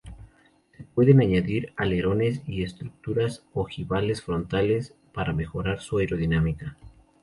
Se pueden añadir alerones y estructuras ojivales frontales para mejorar su aerodinámica.